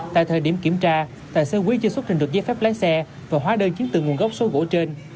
tại thời điểm kiểm tra tài xế quyết chưa xuất trình được dây phép lái xe và hóa đơn chiến từ nguồn gốc số gỗ trên